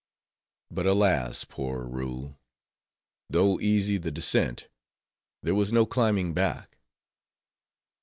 But alas, poor Roo! though easy the descent, there was no climbing back."